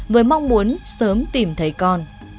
với mong muốn sớm tìm thấy con